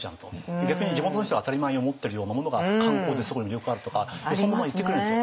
で逆に地元の人が当たり前に思ってるようなものが観光ですごい魅力があるとかよそ者は言ってくるんですよ。